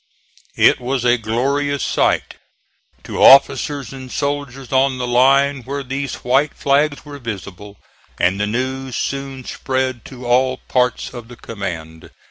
It was a glorious sight to officers and soldiers on the line where these white flags were visible, and the news soon spread to all parts of the command.